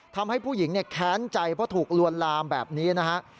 ทำให้ผู้หญิงแค้นใจเพราะถูกลวนลามแบบนี้นะฮะ